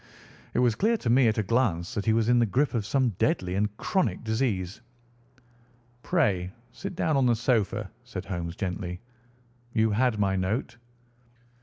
It was clear to me at a glance that he was in the grip of some deadly and chronic disease. "Pray sit down on the sofa," said Holmes gently. "You had my note?"